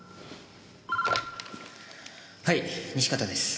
はい西片です。